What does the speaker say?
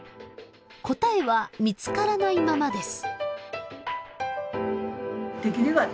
答えは見つからないままです。